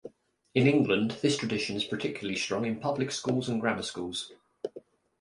In England, this tradition is particularly strong in public schools and grammar schools.